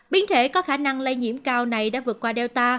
biến thể có khả năng lây nhiễm cao này đã vượt qua data